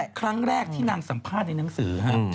ครั้งแรกที่นางสัมภาษณ์ในหนังสือครับ